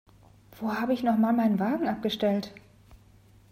Wo habe ich noch mal meinen Wagen abgestellt?